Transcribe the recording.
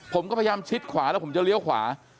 ผมก็พยายามชิดขวาแล้วผมจะเลี้ยวขวา